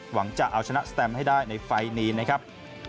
หวังจะเอาชนะสแตมให้ได้ในไฟล์นี้นะครับ